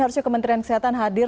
harusnya kementerian kesehatan hadir